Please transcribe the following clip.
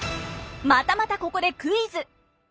またまたここでクイズ！